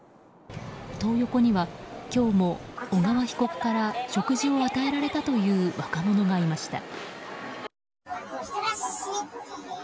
トー横には今日も小川被告から食事を与えられたという若者がいました。